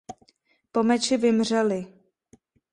Po meči vymřeli.